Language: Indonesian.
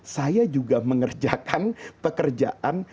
dan juga mengerjakan pekerjaan